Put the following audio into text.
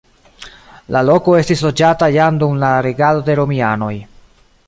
La loko estis loĝata jam dum la regado de romianoj.